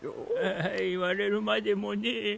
ああ言われるまでもねえ。